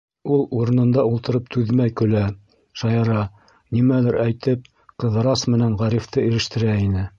Ул урынында ултырып түҙмәй, көлә, шаяра, нимәлер әйтеп, Ҡыҙырас менән Ғарифты ирештерә ине.